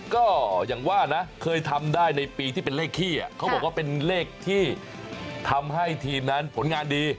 ก็อย่างว่านะเคยทำได้ในปีที่เป็นเลขขี้เขาบอกว่าเป็นเลขที่ทำให้ทีมนั้นผลงานดี